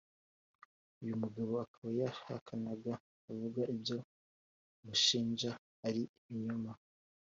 uyu mugabo aka yahakanaga avuga ibyo bamushinja ari ibinyoma